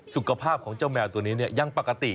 สุขภาพของเจ้าแมวตัวนี้ยังปกติ